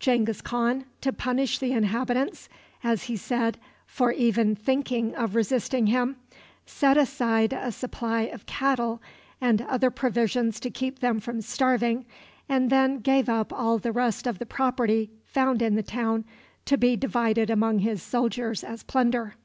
Genghis Khan, to punish the inhabitants, as he said, for even thinking of resisting him, set aside a supply of cattle and other provisions to keep them from starving, and then gave up all the rest of the property found in the town to be divided among his soldiers as plunder.